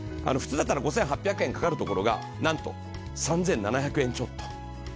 普通だったら５８００円かかるところがなんと３７００円ちょっと。